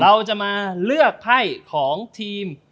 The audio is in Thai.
เราจะมาเลือกไพ่ของทีม